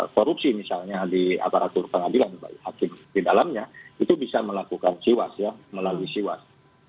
korupsi misalnya di aparatur pengadilan hakim di dalamnya itu bisa melakukan siwas ya melalui siwas